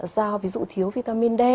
do ví dụ thiếu vitamin d